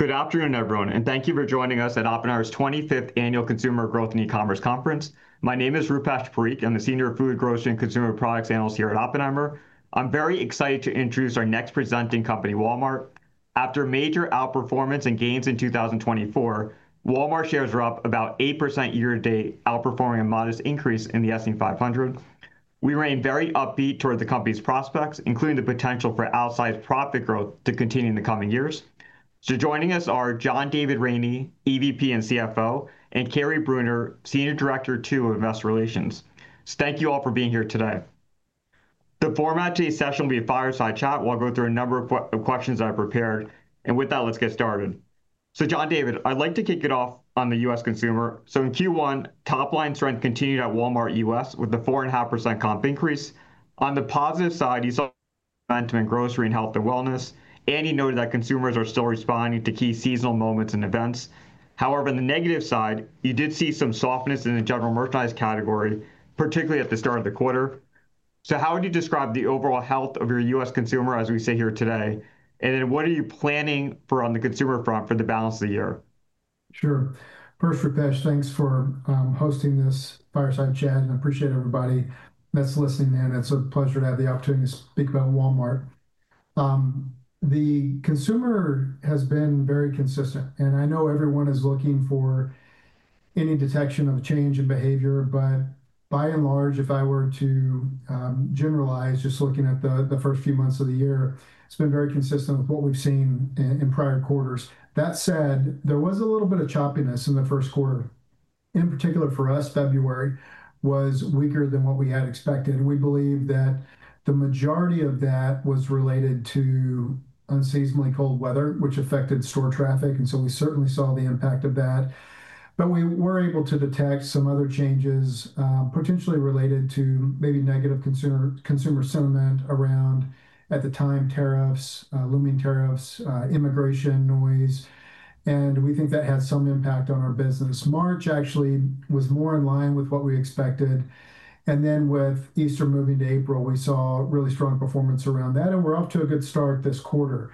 Good afternoon, everyone, and thank you for joining us at Oppenheimer's 25th Annual Consumer Growth and E-commerce Conference. My name is Rupesh Parikh. I'm the Senior Food, Grocery, and Consumer Products Analyst here at Oppenheimer. I'm very excited to introduce our next presenting company, Walmart. After major outperformance and gains in 2024, Walmart shares are up about 8% year to date, outperforming a modest increase in the S&P 500. We remain very upbeat toward the company's prospects, including the potential for outsized profit growth to continue in the coming years. Joining us are John David Rainey, EVP and CFO, and Kary Brunner, Senior Director, too, of Investor Relations. Thank you all for being here today. The format of today's session will be a fireside chat. We'll go through a number of questions that I've prepared. With that, let's get started. John David, I'd like to kick it off on the U.S. consumer. In Q1, top-line strength continued at Walmart U.S. with a 4.5% comp increase. On the positive side, you saw momentum in grocery and health and wellness, and you noted that consumers are still responding to key seasonal moments and events. However, on the negative side, you did see some softness in the general merchandise category, particularly at the start of the quarter. How would you describe the overall health of your U.S. consumer as we sit here today? What are you planning for on the consumer front for the balance of the year? Sure. First, Rupesh, thanks for hosting this fireside chat. I appreciate everybody that's listening in. It's a pleasure to have the opportunity to speak about Walmart. The consumer has been very consistent, and I know everyone is looking for any detection of a change in behavior. By and large, if I were to generalize, just looking at the first few months of the year, it's been very consistent with what we've seen in prior quarters. That said, there was a little bit of choppiness in the first quarter. In particular, for us, February was weaker than what we had expected. We believe that the majority of that was related to unseasonably cold weather, which affected store traffic. We certainly saw the impact of that. We were able to detect some other changes potentially related to maybe negative consumer sentiment around, at the time, tariffs, looming tariffs, immigration noise. We think that had some impact on our business. March actually was more in line with what we expected. With Easter moving to April, we saw really strong performance around that. We are off to a good start this quarter.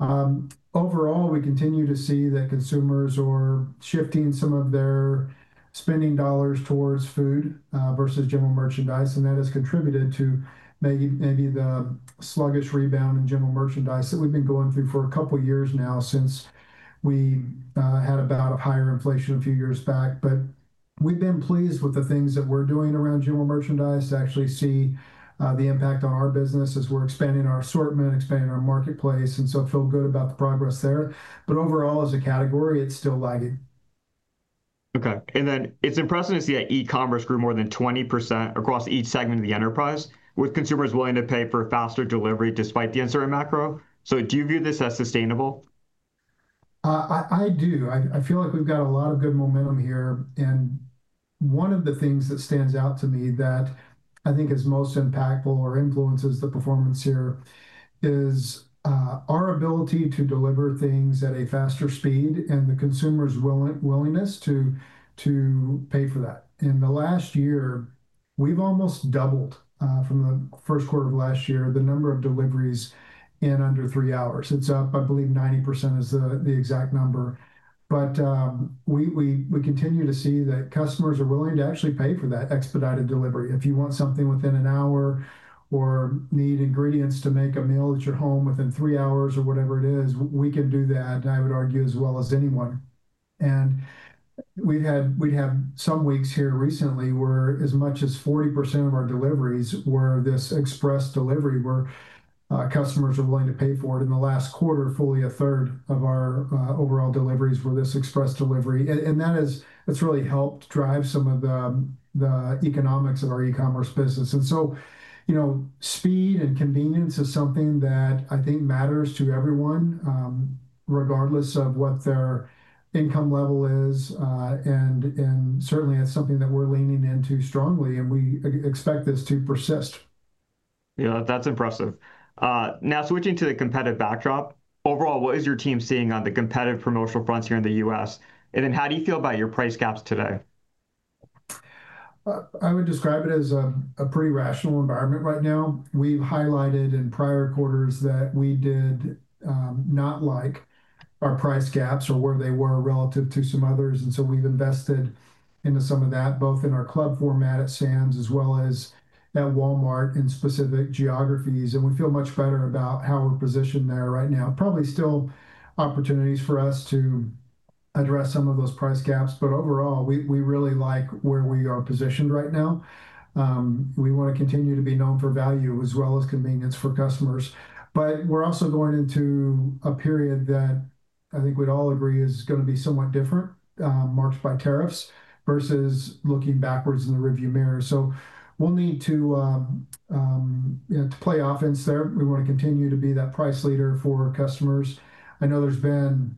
Overall, we continue to see that consumers are shifting some of their spending dollars towards food versus general merchandise. That has contributed to maybe the sluggish rebound in general merchandise that we have been going through for a couple of years now since we had a bout of higher inflation a few years back. We have been pleased with the things that we are doing around general merchandise to actually see the impact on our business as we are expanding our assortment, expanding our marketplace. I feel good about the progress there. Overall, as a category, it is still lagging. Okay. It is impressive to see that e-commerce grew more than 20% across each segment of the enterprise, with consumers willing to pay for faster delivery despite the uncertain macro. Do you view this as sustainable? I do. I feel like we've got a lot of good momentum here. One of the things that stands out to me that I think is most impactful or influences the performance here is our ability to deliver things at a faster speed and the consumer's willingness to pay for that. In the last year, we've almost doubled from the first quarter of last year the number of deliveries in under three hours. It's up, I believe, 90% is the exact number. We continue to see that customers are willing to actually pay for that expedited delivery. If you want something within an hour or need ingredients to make a meal at your home within three hours or whatever it is, we can do that, I would argue, as well as anyone. We'd have some weeks here recently where as much as 40% of our deliveries were this express delivery where customers are willing to pay for it. In the last quarter, fully a third of our overall deliveries were this express delivery. That has really helped drive some of the economics of our e-commerce business. Speed and convenience is something that I think matters to everyone, regardless of what their income level is. Certainly, it's something that we're leaning into strongly. We expect this to persist. Yeah, that's impressive. Now, switching to the competitive backdrop, overall, what is your team seeing on the competitive promotional fronts here in the U.S.? How do you feel about your price gaps today? I would describe it as a pretty rational environment right now. We've highlighted in prior quarters that we did not like our price gaps or where they were relative to some others. We've invested into some of that, both in our club format at Sam's as well as at Walmart in specific geographies. We feel much better about how we're positioned there right now. Probably still opportunities for us to address some of those price gaps. Overall, we really like where we are positioned right now. We want to continue to be known for value as well as convenience for customers. We're also going into a period that I think we'd all agree is going to be somewhat different, marked by tariffs versus looking backwards in the rearview mirror. We'll need to play offense there. We want to continue to be that price leader for customers. I know there's been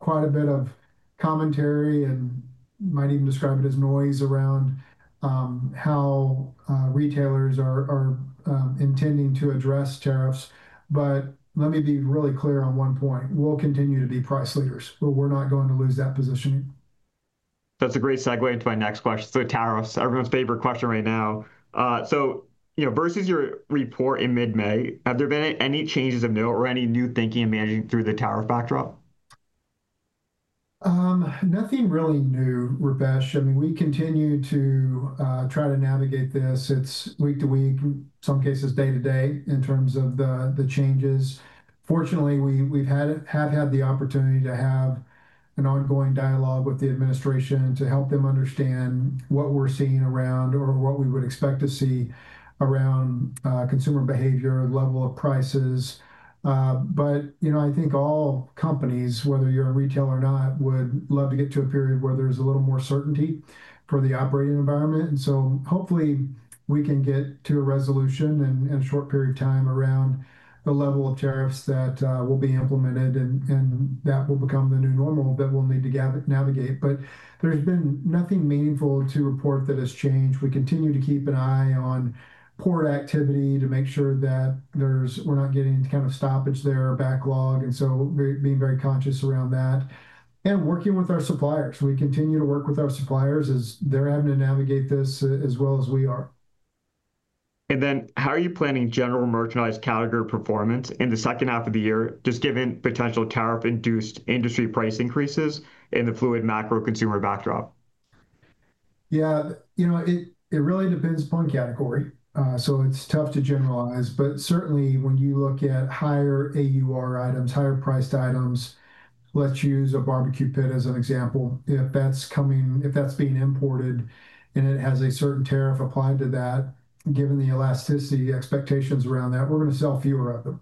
quite a bit of commentary and might even describe it as noise around how retailers are intending to address tariffs. Let me be really clear on one point. We'll continue to be price leaders. We're not going to lose that positioning. That's a great segue into my next question. Tariffs, everyone's favorite question right now. Versus your report in mid-May, have there been any changes of note or any new thinking emerging through the tariff backdrop? Nothing really new, Rupesh. I mean, we continue to try to navigate this. It is week to week, in some cases day to day in terms of the changes. Fortunately, we have had the opportunity to have an ongoing dialogue with the administration to help them understand what we are seeing around or what we would expect to see around consumer behavior, level of prices. I think all companies, whether you are a retailer or not, would love to get to a period where there is a little more certainty for the operating environment. Hopefully, we can get to a resolution in a short period of time around the level of tariffs that will be implemented and that will become the new normal that we will need to navigate. There has been nothing meaningful to report that has changed. We continue to keep an eye on port activity to make sure that we're not getting any kind of stoppage there, backlog. We are being very conscious around that and working with our suppliers. We continue to work with our suppliers as they're having to navigate this as well as we are. How are you planning general merchandise category performance in the second half of the year, just given potential tariff-induced industry price increases in the fluid macro consumer backdrop? Yeah, you know it really depends upon category. So it's tough to generalize. But certainly, when you look at higher AUR items, higher priced items, let's use a barbecue pit as an example. If that's coming, if that's being imported and it has a certain tariff applied to that, given the elasticity expectations around that, we're going to sell fewer of them.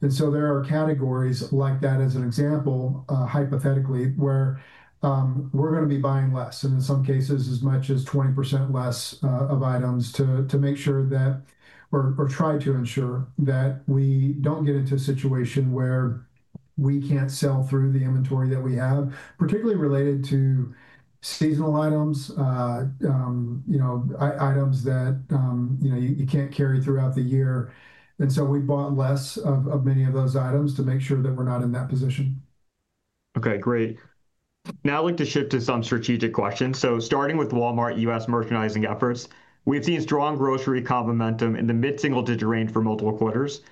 There are categories like that, as an example, hypothetically, where we're going to be buying less, and in some cases, as much as 20% less of items to make sure that or try to ensure that we don't get into a situation where we can't sell through the inventory that we have, particularly related to seasonal items, items that you can't carry throughout the year. We bought less of many of those items to make sure that we're not in that position. Okay, great. Now I'd like to shift to some strategic questions. Starting with Walmart U.S. merchandising efforts, we've seen strong grocery comp momentum in the mid-single-digit range for multiple quarters.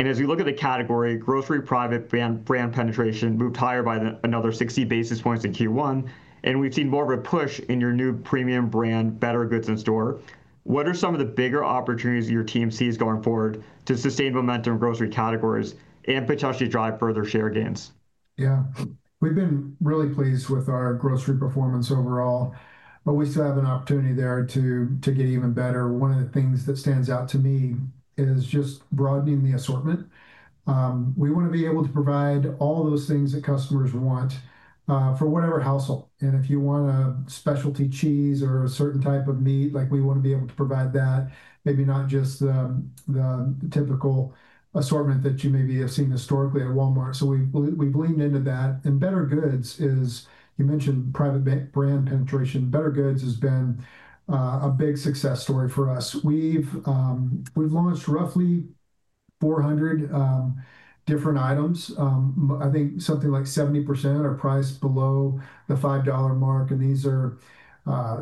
As we look at the category, grocery private brand penetration moved higher by another 60 basis points in Q1. We've seen more of a push in your new premium brand, bettergoods, in store. What are some of the bigger opportunities your team sees going forward to sustain momentum in grocery categories and potentially drive further share gains? Yeah, we've been really pleased with our grocery performance overall, but we still have an opportunity there to get even better. One of the things that stands out to me is just broadening the assortment. We want to be able to provide all those things that customers want for whatever household. If you want a specialty cheese or a certain type of meat, we want to be able to provide that, maybe not just the typical assortment that you maybe have seen historically at Walmart. We have leaned into that. Bettergoods is, you mentioned private brand penetration. Bettergoods has been a big success story for us. We have launched roughly 400 different items. I think something like 70% are priced below the $5 mark. These are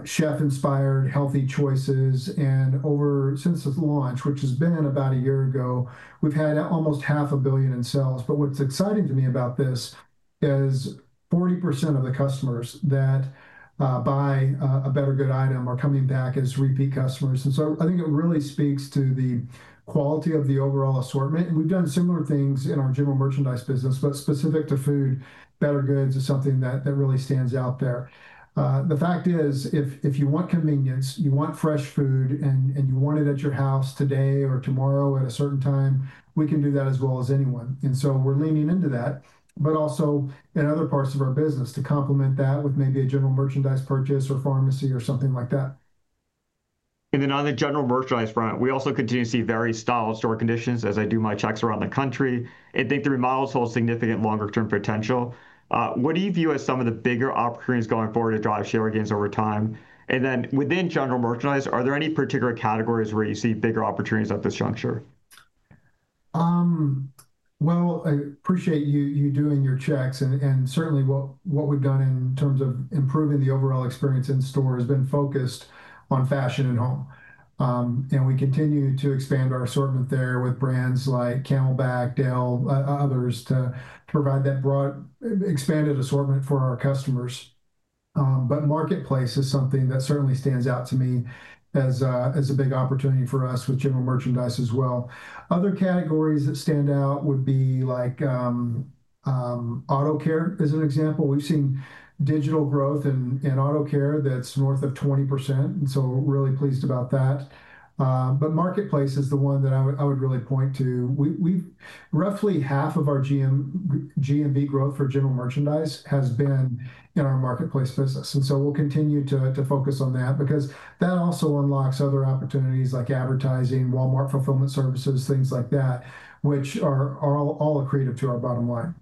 chef-inspired healthy choices. Since its launch, which has been about a year ago, we've had almost $0.5 billion in sales. What's exciting to me about this is 40% of the customers that buy a Bettergoods item are coming back as repeat customers. I think it really speaks to the quality of the overall assortment. We've done similar things in our general merchandise business, but specific to food, Bettergoods is something that really stands out there. The fact is, if you want convenience, you want fresh food, and you want it at your house today or tomorrow at a certain time, we can do that as well as anyone. We're leaning into that, but also in other parts of our business to complement that with maybe a general merchandise purchase or pharmacy or something like that. On the general merchandise front, we also continue to see various styles or conditions as I do my checks around the country. I think the remodels hold significant longer-term potential. What do you view as some of the bigger opportunities going forward to drive share gains over time? Within general merchandise, are there any particular categories where you see bigger opportunities at this juncture? I appreciate you doing your checks. Certainly, what we have done in terms of improving the overall experience in store has been focused on fashion and home. We continue to expand our assortment there with brands like CamelBak, Dale, others to provide that broad expanded assortment for our customers. Marketplace is something that certainly stands out to me as a big opportunity for us with general merchandise as well. Other categories that stand out would be like auto care as an example. We have seen digital growth in auto care that is north of 20%. I am really pleased about that. Marketplace is the one that I would really point to. Roughly half of our GMV growth for general merchandise has been in our marketplace business. We will continue to focus on that because that also unlocks other opportunities like advertising, Walmart Fulfillment Services, things like that, which are all accretive to our bottom line.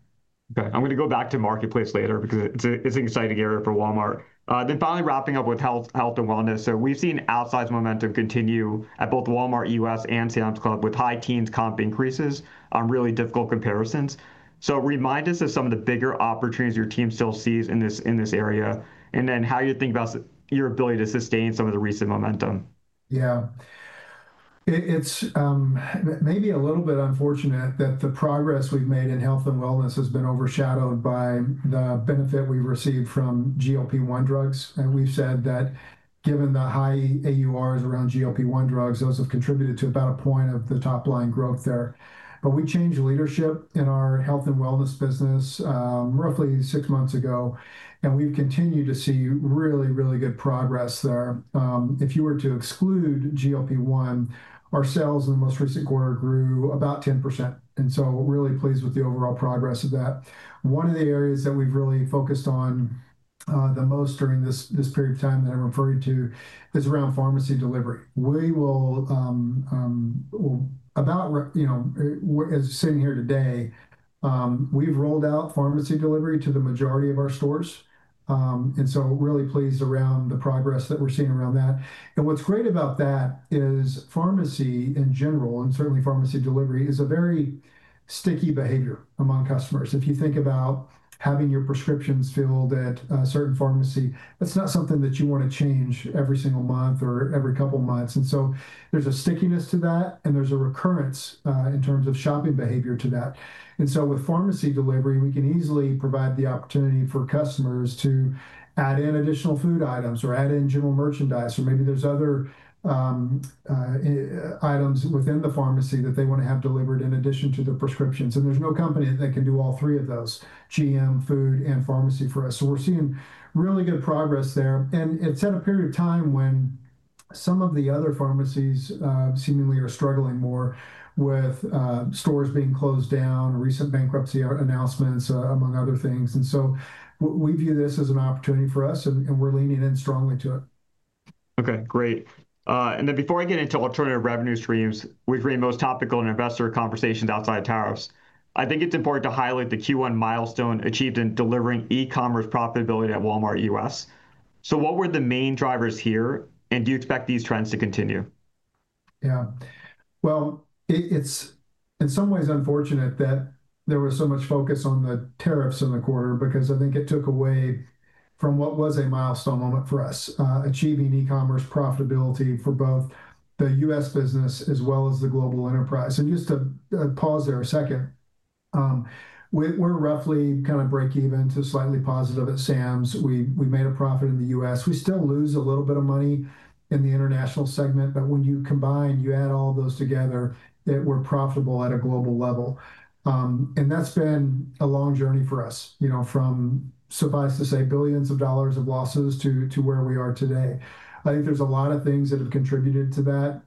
Okay, I'm going to go back to marketplace later because it's an exciting area for Walmart. Finally, wrapping up with health and wellness. We've seen outsized momentum continue at both Walmart U.S. and Sam's Club with high teens comp increases on really difficult comparisons. Remind us of some of the bigger opportunities your team still sees in this area and how you think about your ability to sustain some of the recent momentum. Yeah, it's maybe a little bit unfortunate that the progress we've made in health and wellness has been overshadowed by the benefit we've received from GLP-1 drugs. We've said that given the high AURs around GLP-1 drugs, those have contributed to about a point of the top line growth there. We changed leadership in our health and wellness business roughly six months ago. We've continued to see really, really good progress there. If you were to exclude GLP-1, our sales in the most recent quarter grew about 10%. Really pleased with the overall progress of that. One of the areas that we've really focused on the most during this period of time that I referred to is around pharmacy delivery. As of sitting here today, we've rolled out pharmacy delivery to the majority of our stores. Really pleased around the progress that we're seeing around that. What's great about that is pharmacy in general, and certainly pharmacy delivery, is a very sticky behavior among customers. If you think about having your prescriptions filled at a certain pharmacy, that's not something that you want to change every single month or every couple of months. There's a stickiness to that, and there's a recurrence in terms of shopping behavior to that. With pharmacy delivery, we can easily provide the opportunity for customers to add in additional food items or add in general merchandise, or maybe there's other items within the pharmacy that they want to have delivered in addition to the prescriptions. There's no company that can do all three of those: GM, food, and pharmacy for us. We're seeing really good progress there. It is at a period of time when some of the other pharmacies seemingly are struggling more with stores being closed down, recent bankruptcy announcements, among other things. We view this as an opportunity for us, and we're leaning in strongly to it. Okay, great. Then before I get into alternative revenue streams, which remain most topical in investor conversations outside of tariffs, I think it's important to highlight the Q1 milestone achieved in delivering e-commerce profitability at Walmart U.S. What were the main drivers here, and do you expect these trends to continue? Yeah, in some ways it's unfortunate that there was so much focus on the tariffs in the quarter because I think it took away from what was a milestone moment for us, achieving e-commerce profitability for both the U.S. business as well as the global enterprise. And just to pause there a second, we're roughly kind of break-even to slightly positive at Sam's. We made a profit in the U.S. We still lose a little bit of money in the international segment, but when you combine, you add all those together, we're profitable at a global level. That's been a long journey for us, you know, from, suffice to say, billions of dollars of losses to where we are today. I think there's a lot of things that have contributed to that.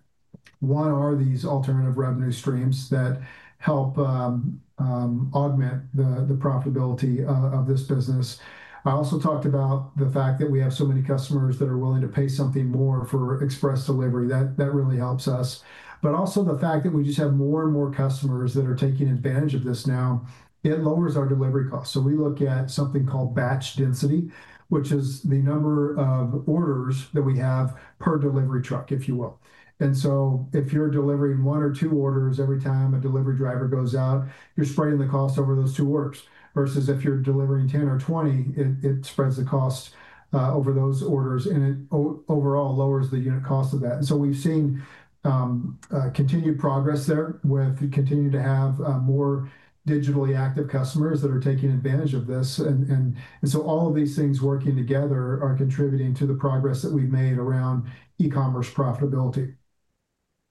One are these alternative revenue streams that help augment the profitability of this business. I also talked about the fact that we have so many customers that are willing to pay something more for express delivery. That really helps us. Also, the fact that we just have more and more customers that are taking advantage of this now, it lowers our delivery costs. We look at something called batch density, which is the number of orders that we have per delivery truck, if you will. If you're delivering one or two orders every time a delivery driver goes out, you're spreading the cost over those two orders versus if you're delivering 10 or 20, it spreads the cost over those orders, and it overall lowers the unit cost of that. We have seen continued progress there with continuing to have more digitally active customers that are taking advantage of this. All of these things working together are contributing to the progress that we've made around e-commerce profitability.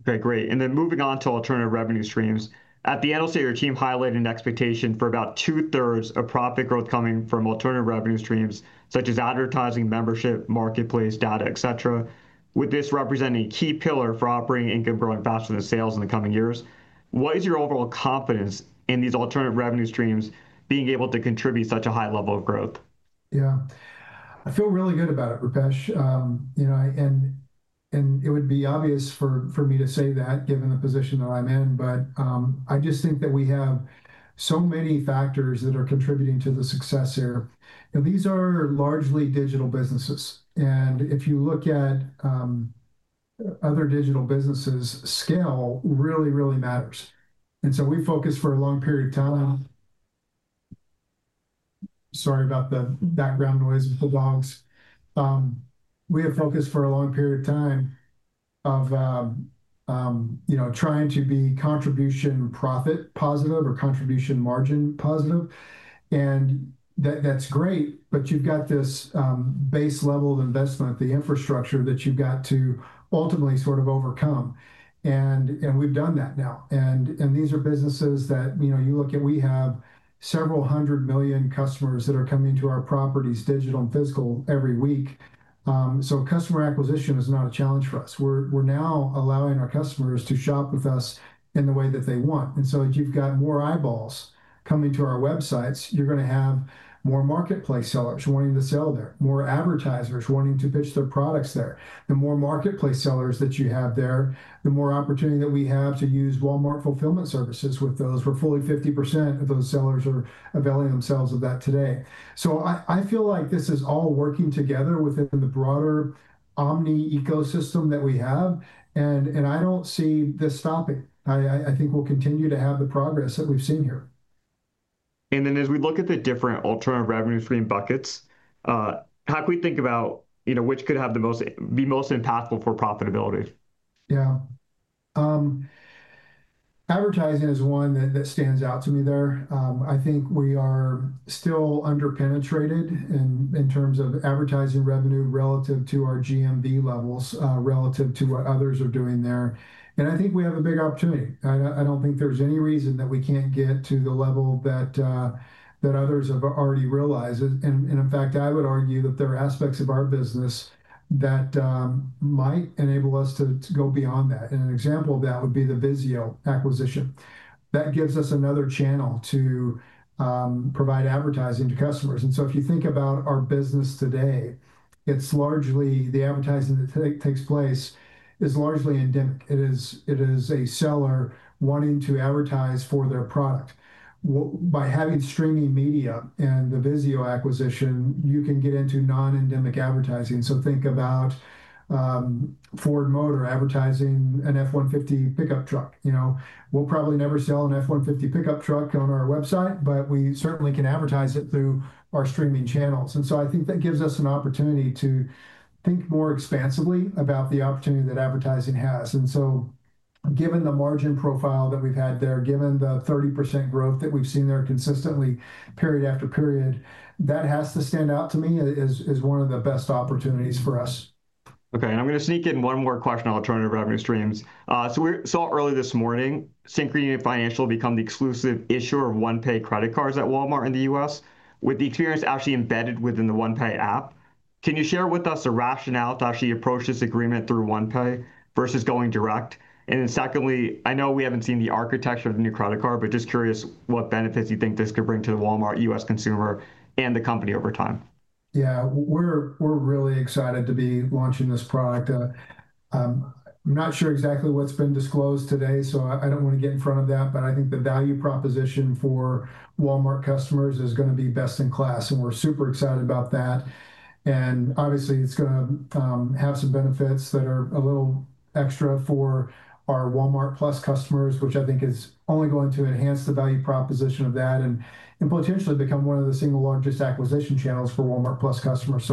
Okay, great. Moving on to alternative revenue streams, at the annual state, your team highlighted an expectation for about two-thirds of profit growth coming from alternative revenue streams such as advertising, membership, marketplace, data, et cetera, with this representing a key pillar for operating income growing faster than sales in the coming years. What is your overall confidence in these alternative revenue streams being able to contribute such a high level of growth? Yeah, I feel really good about it, Rupesh. You know, and it would be obvious for me to say that given the position that I'm in, but I just think that we have so many factors that are contributing to the success here. These are largely digital businesses. If you look at other digital businesses, scale really, really matters. We focused for a long period of time. Sorry about the background noise of the dogs. We have focused for a long period of time of trying to be contribution profit positive or contribution margin positive. That's great, but you've got this base level of investment, the infrastructure that you've got to ultimately sort of overcome. We've done that now. These are businesses that you look at, we have several hundred million customers that are coming to our properties, digital and physical, every week. Customer acquisition is not a challenge for us. We're now allowing our customers to shop with us in the way that they want. As you've got more eyeballs coming to our websites, you're going to have more marketplace sellers wanting to sell there, more advertisers wanting to pitch their products there. The more marketplace sellers that you have there, the more opportunity that we have to use Walmart fulfillment services with those. Fully 50% of those sellers are availing themselves of that today. I feel like this is all working together within the broader omni ecosystem that we have. I don't see this stopping. I think we'll continue to have the progress that we've seen here. As we look at the different alternative revenue stream buckets, how can we think about which could be most impactful for profitability? Yeah, advertising is one that stands out to me there. I think we are still underpenetrated in terms of advertising revenue relative to our GMV levels, relative to what others are doing there. I think we have a big opportunity. I do not think there is any reason that we cannot get to the level that others have already realized. In fact, I would argue that there are aspects of our business that might enable us to go beyond that. An example of that would be the Vizio acquisition. That gives us another channel to provide advertising to customers. If you think about our business today, the advertising that takes place is largely endemic. It is a seller wanting to advertise for their product. By having streaming media and the Vizio acquisition, you can get into non-endemic advertising. Think about Ford Motor advertising an F-150 pickup truck. We'll probably never sell an F-150 pickup truck on our website, but we certainly can advertise it through our streaming channels. I think that gives us an opportunity to think more expansively about the opportunity that advertising has. Given the margin profile that we've had there, given the 30% growth that we've seen there consistently period after period, that has to stand out to me as one of the best opportunities for us. Okay, and I'm going to sneak in one more question on alternative revenue streams. We saw early this morning, Synchrony Financial become the exclusive issuer of OnePay credit cards at Walmart in the U.S., with the experience actually embedded within the OnePay app. Can you share with us the rationale to actually approach this agreement through OnePay versus going direct? Then secondly, I know we haven't seen the architecture of the new credit card, but just curious what benefits you think this could bring to the Walmart U.S. consumer and the company over time. Yeah, we're really excited to be launching this product. I'm not sure exactly what's been disclosed today, so I don't want to get in front of that, but I think the value proposition for Walmart customers is going to be best in class, and we're super excited about that. Obviously, it's going to have some benefits that are a little extra for our Walmart+ customers, which I think is only going to enhance the value proposition of that and potentially become one of the single largest acquisition channels for Walmart+ customers.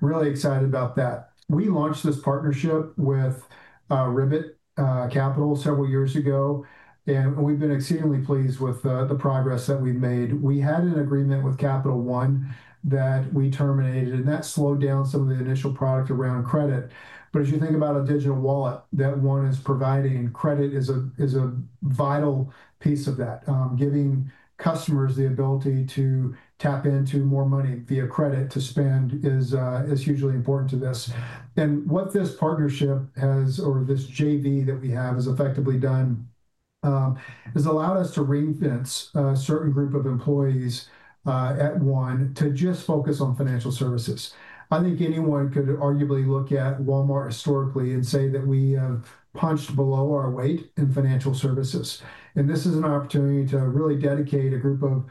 Really excited about that. We launched this partnership with Ribbit Capital several years ago, and we've been exceedingly pleased with the progress that we've made. We had an agreement with Capital One that we terminated, and that slowed down some of the initial product around credit. As you think about a digital wallet, that one is providing credit is a vital piece of that. Giving customers the ability to tap into more money via credit to spend is hugely important to this. What this partnership has, or this JV that we have has effectively done, has allowed us to reinvent a certain group of employees at one to just focus on financial services. I think anyone could arguably look at Walmart historically and say that we have punched below our weight in financial services. This is an opportunity to really dedicate a group of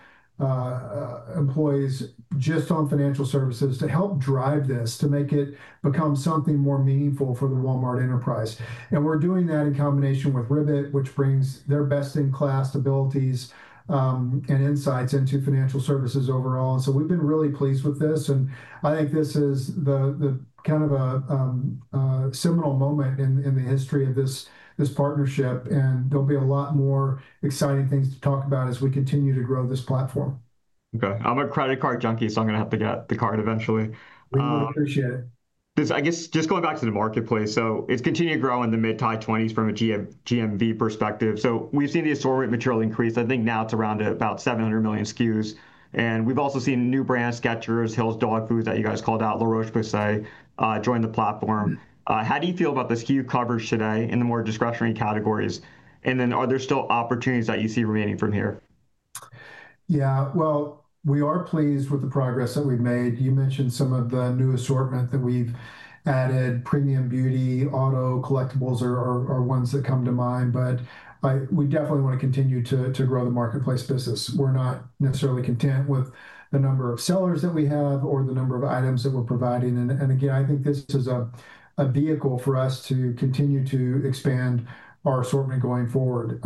employees just on financial services to help drive this, to make it become something more meaningful for the Walmart enterprise. We are doing that in combination with Ribbit, which brings their best-in-class abilities and insights into financial services overall. We have been really pleased with this. I think this is the kind of a seminal moment in the history of this partnership. There'll be a lot more exciting things to talk about as we continue to grow this platform. Okay, I'm a credit card junkie, so I'm going to have to get the card eventually. We appreciate it. I guess just going back to the marketplace, it has continued to grow in the mid-to-high 20s from a GMV perspective. We have seen the assorted material increase. I think now it is around about 700 million SKUs. We have also seen new brands, Skechers, Hill's dog foods that you guys called out, La Roche-Posay, join the platform. How do you feel about the SKU coverage today in the more discretionary categories? Are there still opportunities that you see remaining from here? Yeah, we are pleased with the progress that we've made. You mentioned some of the new assortment that we've added. Premium beauty, auto, collectibles are ones that come to mind, but we definitely want to continue to grow the marketplace business. We're not necessarily content with the number of sellers that we have or the number of items that we're providing. Again, I think this is a vehicle for us to continue to expand our assortment going forward.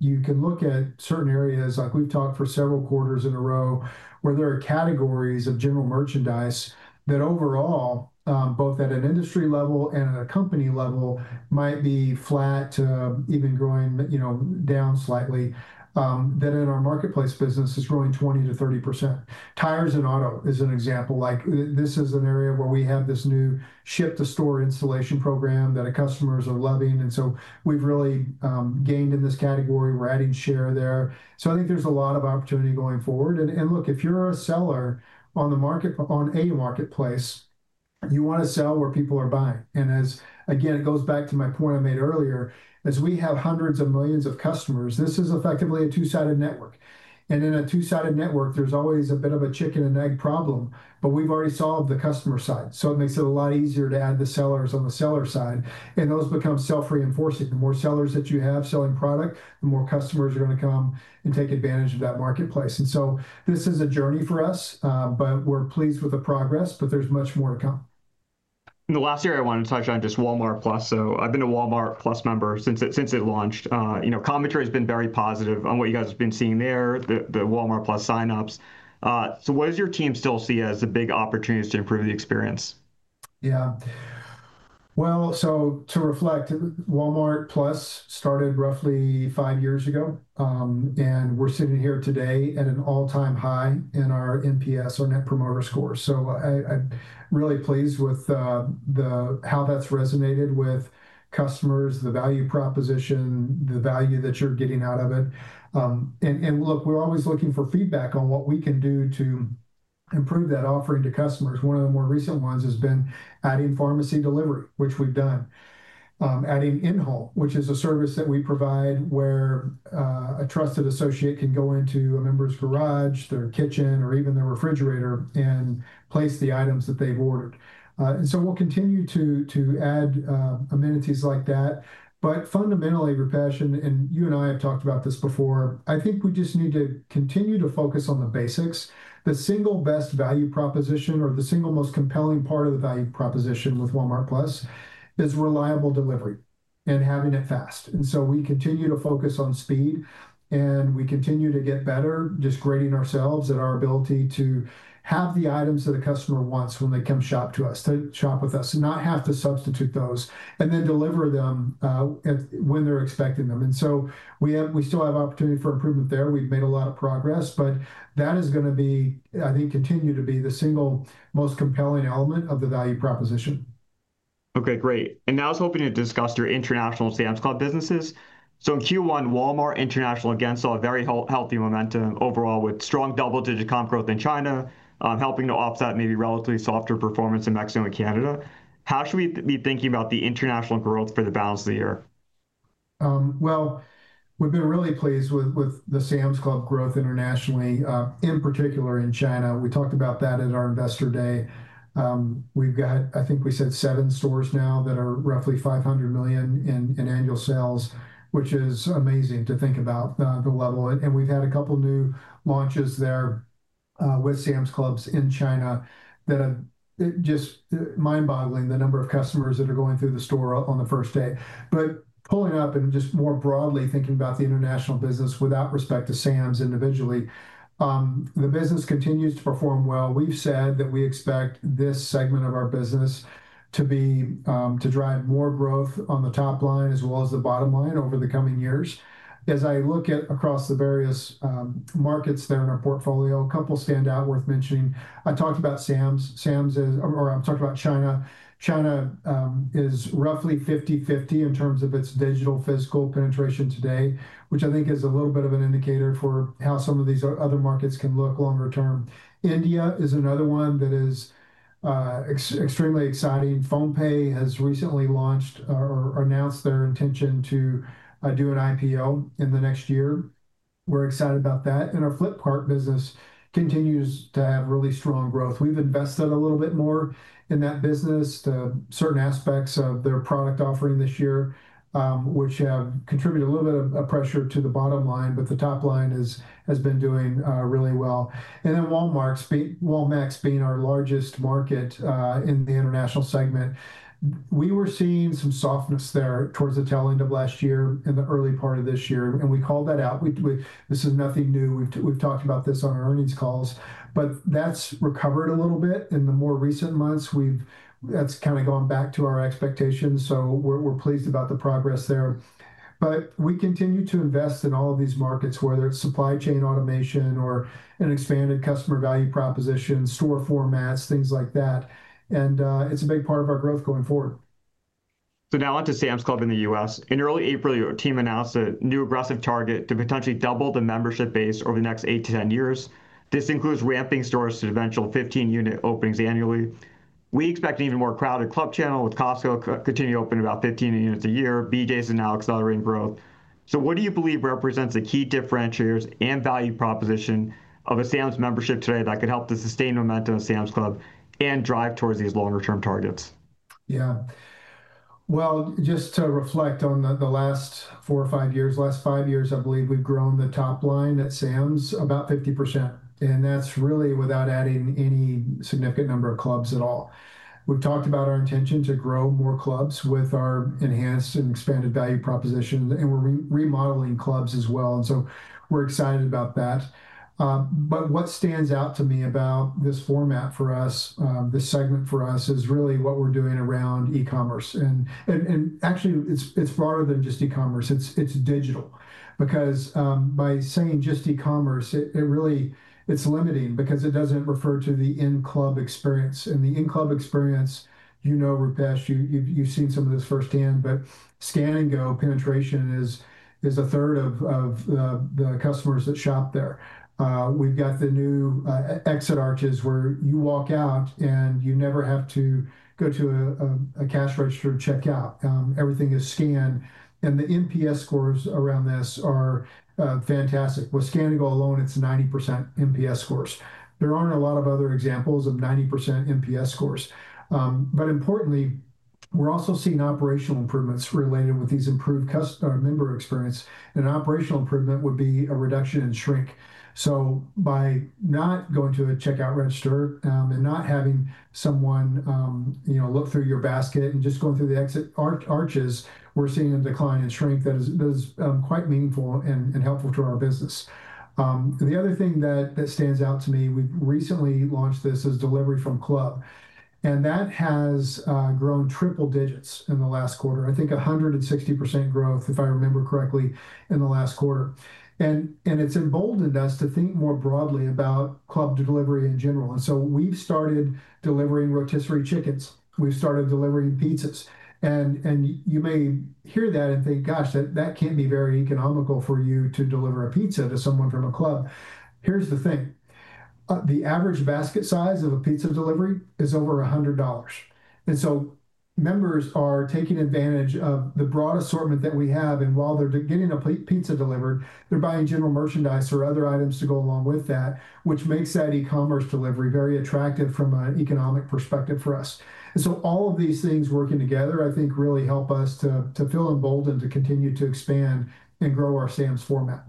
You can look at certain areas, like we've talked for several quarters in a row, where there are categories of general merchandise that overall, both at an industry level and at a company level, might be flat to even growing down slightly, that in our marketplace business is growing 20-30%. Tires and auto is an example. This is an area where we have this new ship-to-store installation program that customers are loving. We have really gained in this category. We are adding share there. I think there is a lot of opportunity going forward. If you are a seller on the marketplace, you want to sell where people are buying. It goes back to my point I made earlier, as we have hundreds of millions of customers, this is effectively a two-sided network. In a two-sided network, there is always a bit of a chicken and egg problem, but we have already solved the customer side. It makes it a lot easier to add the sellers on the seller side. Those become self-reinforcing. The more sellers that you have selling product, the more customers are going to come and take advantage of that marketplace. This is a journey for us, but we're pleased with the progress, but there's much more to come. The last area I wanted to touch on, just Walmart+. I've been a Walmart+ member since it launched. Commentary has been very positive on what you guys have been seeing there, the Walmart+ sign-ups. What does your team still see as the big opportunities to improve the experience? Yeah, to reflect, Walmart+ started roughly five years ago, and we're sitting here today at an all-time high in our NPS, our net promoter score. I'm really pleased with how that's resonated with customers, the value proposition, the value that you're getting out of it. Look, we're always looking for feedback on what we can do to improve that offering to customers. One of the more recent ones has been adding pharmacy delivery, which we've done. Adding in-home, which is a service that we provide where a trusted associate can go into a member's garage, their kitchen, or even their refrigerator and place the items that they've ordered. We'll continue to add amenities like that. Fundamentally, Rupesh, and you and I have talked about this before, I think we just need to continue to focus on the basics. The single best value proposition, or the single most compelling part of the value proposition with Walmart+, is reliable delivery and having it fast. We continue to focus on speed, and we continue to get better, just grading ourselves at our ability to have the items that a customer wants when they come shop with us, not have to substitute those, and then deliver them when they're expecting them. We still have opportunity for improvement there. We've made a lot of progress, but that is going to be, I think, continue to be the single most compelling element of the value proposition. Okay, great. I was hoping to discuss your international Sam's Club businesses. In Q1, Walmart International again saw very healthy momentum overall with strong double-digit comp growth in China, helping to offset maybe relatively softer performance in Mexico and Canada. How should we be thinking about the international growth for the balance of the year? We have been really pleased with the Sam's Club growth internationally, in particular in China. We talked about that at our investor day. We have, I think we said seven stores now that are roughly $500 million in annual sales, which is amazing to think about the level. We have had a couple of new launches there with Sam's Clubs in China that are just mind-boggling, the number of customers that are going through the store on the first day. Pulling up and just more broadly thinking about the international business without respect to Sam's individually, the business continues to perform well. We have said that we expect this segment of our business to drive more growth on the top line as well as the bottom line over the coming years. As I look at across the various markets there in our portfolio, a couple stand out worth mentioning. I talked about Sam's, or I've talked about China. China is roughly 50-50 in terms of its digital physical penetration today, which I think is a little bit of an indicator for how some of these other markets can look longer term. India is another one that is extremely exciting. PhonePe has recently launched or announced their intention to do an IPO in the next year. We're excited about that. And our Flipkart business continues to have really strong growth. We've invested a little bit more in that business, certain aspects of their product offering this year, which have contributed a little bit of pressure to the bottom line, but the top line has been doing really well. And then Walmart, Walmart's being our largest market in the international segment. We were seeing some softness there towards the tail end of last year in the early part of this year. We called that out. This is nothing new. We've talked about this on our earnings calls. That has recovered a little bit in the more recent months. That has kind of gone back to our expectations. We are pleased about the progress there. We continue to invest in all of these markets, whether it is supply chain automation or an expanded customer value proposition, store formats, things like that. It is a big part of our growth going forward. Now on to Sam's Club in the U.S. In early April, your team announced a new aggressive target to potentially double the membership base over the next eight to 10 years. This includes ramping stores to eventual 15-unit openings annually. We expect an even more crowded club channel with Costco continuing to open about 15 units a year. BJ's is now accelerating growth. What do you believe represents the key differentiators and value proposition of a Sam's membership today that could help to sustain momentum of Sam's Club and drive towards these longer-term targets? Yeah, just to reflect on the last four or five years, last five years, I believe we've grown the top line at Sam's about 50%. And that's really without adding any significant number of clubs at all. We've talked about our intention to grow more clubs with our enhanced and expanded value proposition, and we're remodeling clubs as well. We're excited about that. What stands out to me about this format for us, this segment for us, is really what we're doing around e-commerce. Actually, it's broader than just e-commerce. It's digital. Because by saying just e-commerce, it really, it's limiting because it doesn't refer to the in-club experience. The in-club experience, you know, Rupesh, you've seen some of this firsthand, but Scan & Go penetration is a third of the customers that shop there. We've got the new exit arches where you walk out and you never have to go to a cash register to check out. Everything is scanned. The NPS scores around this are fantastic. With Scan & Go alone, it's 90% NPS scores. There aren't a lot of other examples of 90% NPS scores. Importantly, we're also seeing operational improvements related with these improved member experience. An operational improvement would be a reduction in shrink. By not going to a checkout register and not having someone look through your basket and just going through the exit arches, we're seeing a decline in shrink that is quite meaningful and helpful to our business. The other thing that stands out to me, we've recently launched this as delivery from club. That has grown triple digits in the last quarter, I think 160% growth, if I remember correctly, in the last quarter. It has emboldened us to think more broadly about club delivery in general. We have started delivering rotisserie chickens. We have started delivering pizzas. You may hear that and think, gosh, that cannot be very economical for you to deliver a pizza to someone from a club. Here is the thing. The average basket size of a pizza delivery is over $100. Members are taking advantage of the broad assortment that we have. While they are getting a pizza delivered, they are buying general merchandise or other items to go along with that, which makes that e-commerce delivery very attractive from an economic perspective for us. All of these things working together, I think, really help us to feel emboldened to continue to expand and grow our Sam's format.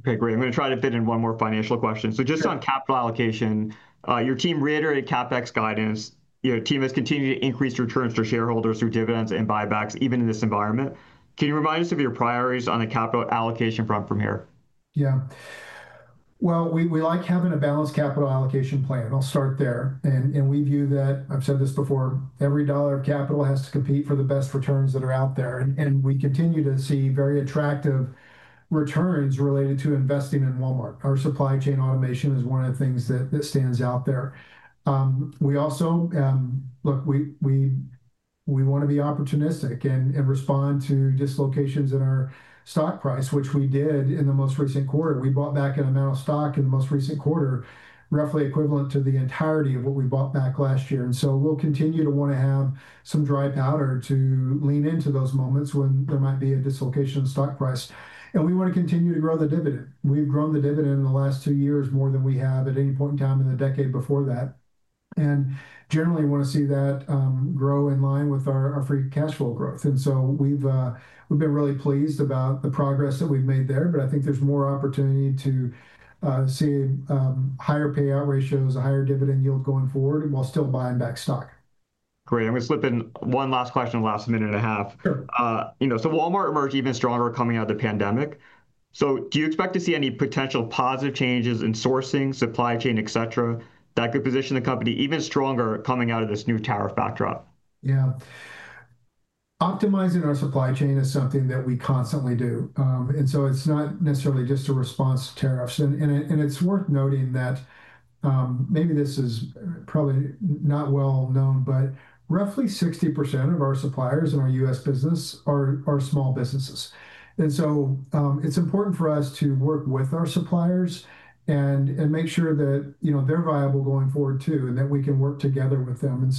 Okay, great. I'm going to try to fit in one more financial question. Just on capital allocation, your team reiterated CapEx guidance. Your team has continued to increase returns to shareholders through dividends and buybacks even in this environment. Can you remind us of your priorities on the capital allocation front from here? Yeah. We like having a balanced capital allocation plan. I'll start there. We view that, I've said this before, every dollar of capital has to compete for the best returns that are out there. We continue to see very attractive returns related to investing in Walmart. Our supply chain automation is one of the things that stands out there. We also, look, we want to be opportunistic and respond to dislocations in our stock price, which we did in the most recent quarter. We bought back an amount of stock in the most recent quarter, roughly equivalent to the entirety of what we bought back last year. We will continue to want to have some dry powder to lean into those moments when there might be a dislocation in stock price. We want to continue to grow the dividend. We've grown the dividend in the last two years more than we have at any point in time in the decade before that. Generally, we want to see that grow in line with our free cash flow growth. We've been really pleased about the progress that we've made there. I think there's more opportunity to see higher payout ratios, a higher dividend yield going forward while still buying back stock. Great. I'm going to slip in one last question in the last minute and a half. Walmart emerged even stronger coming out of the pandemic. Do you expect to see any potential positive changes in sourcing, supply chain, et cetera, that could position the company even stronger coming out of this new tariff backdrop? Yeah. Optimizing our supply chain is something that we constantly do. It is not necessarily just a response to tariffs. It is worth noting that maybe this is probably not well known, but roughly 60% of our suppliers in our U.S. business are small businesses. It is important for us to work with our suppliers and make sure that they are viable going forward too, and that we can work together with them.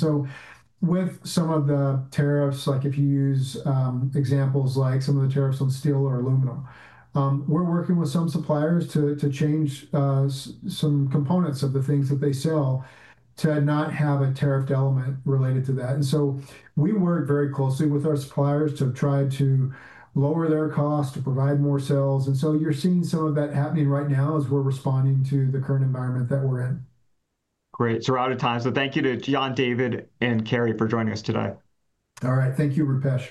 With some of the tariffs, like if you use examples like some of the tariffs on steel or aluminum, we are working with some suppliers to change some components of the things that they sell to not have a tariffed element related to that. We work very closely with our suppliers to try to lower their costs, to provide more sales. You're seeing some of that happening right now as we're responding to the current environment that we're in. Great. We're out of time. Thank you to John, David, and Kerry for joining us today. All right. Thank you, Rupesh.